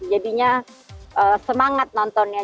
jadinya semangat nontonnya